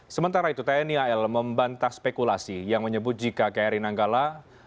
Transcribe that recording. sementara itu tnial membantah spekulasi yang menyebut jika kri nanggala empat ratus dua